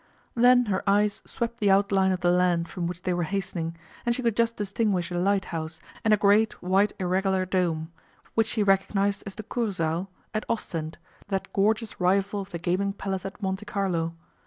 Then her eyes swept the outline of the land from which they were hastening, and she could just distinguish a lighthouse and a great white irregular dome, which she recognized as the Kursaal at Ostend, that gorgeous rival of the gaming palace at Monte Carlo.